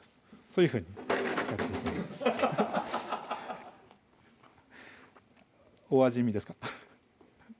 そういうふうにお味見ですか？